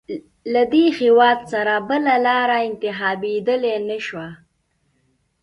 له دې هېواد سره بله لاره انتخابېدلای نه شوای.